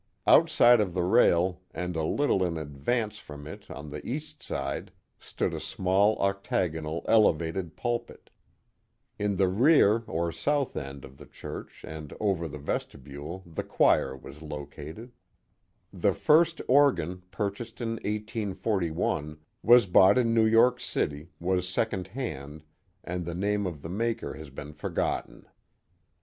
Outside of the rail, and a little in advance from it on the east side, stood a small octagonal elevated pulpit. In the rear. Queen Anne's Chapel 93 or south end, of the church and over the vestibule, the choir was located. The first organ, purchased in 1841, was bought in New York City, was second hand, and the name of the maker has been forgotten.